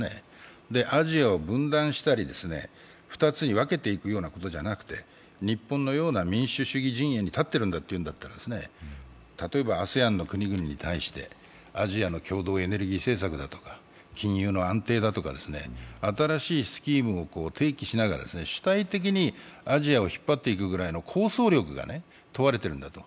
アジアを分断したり２つに分けていくようなことではなくて日本のような、民主主義陣営に立っているんだというんだったら例えばＡＳＥＡＮの国々に対してアジアの共同エネルギー政策とか、金融の安定だとか、新しいスキームを提起しながら主体的にアジアを引っ張っていくぐらいの構想力が問われているんだと。